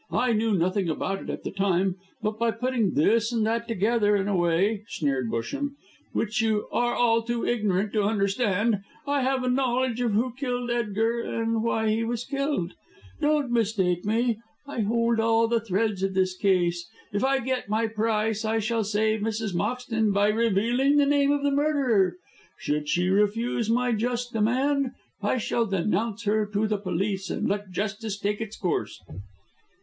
I knew nothing about it at the time, but by putting this and that together in a way," sneered Busham, "which you are all too ignorant to understand, I have a knowledge of who killed Edgar, and why he was killed. Don't mistake me. I hold all the threads of this case. If I get my price I shall save Mrs. Moxton by revealing the name of the murderer. Should she refuse my just demand, I shall denounce her to the police and let justice take its course."